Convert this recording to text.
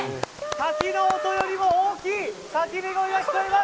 滝の音よりも大きい叫び声が聞こえます。